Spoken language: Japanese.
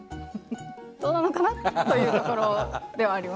どうなのかな？というところではありますね。